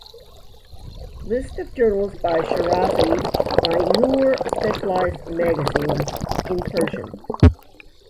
List of Journals by Shirazi by "Noor Specialized Magazines" (in Persian)